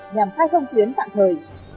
nhằm khai thông tuyến tạm thời